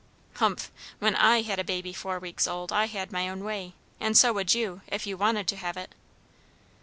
"Humph! When I had a baby four weeks old, I had my own way. And so would you, if you wanted to have it."